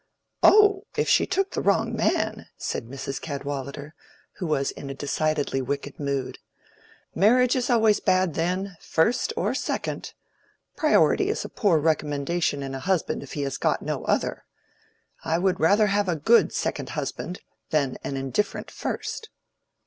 "Oh, if she took the wrong man!" said Mrs. Cadwallader, who was in a decidedly wicked mood. "Marriage is always bad then, first or second. Priority is a poor recommendation in a husband if he has got no other. I would rather have a good second husband than an indifferent first."